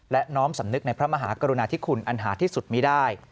และน้อมสำนึกในพระมหากรุณาธิคุณอันหาที่สุดมีได้